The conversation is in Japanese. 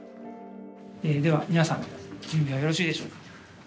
では皆さん準備はよろしいでしょうか。